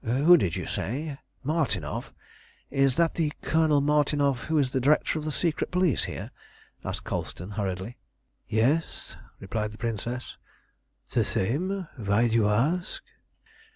"Who did you say? Martinov? Is that the Colonel Martinov who is the director of the secret police here?" asked Colston hurriedly. "Yes," replied the Princess, "the same. Why do you ask?"